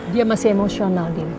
dia masih emosional din